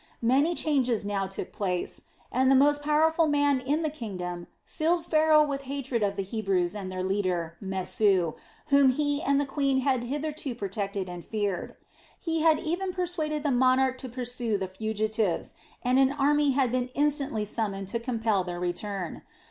Many changes now took place, and the most powerful man in the kingdom filled Pharaoh with hatred of the Hebrews and their leader, Mesu, whom he and the queen had hitherto protected and feared. He had even persuaded the monarch to pursue the fugitives, and an army had been instantly summoned to compel their return.